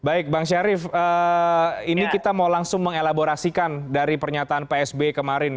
baik bang syarif ini kita mau langsung mengelaborasikan dari pernyataan psb kemarin